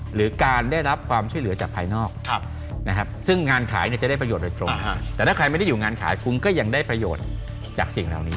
หรือการได้รับความช่วยเหลือจากภายนอก